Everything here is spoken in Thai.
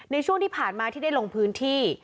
ในช่วงที่ผ่านมาที่ได้ลงพื้นที่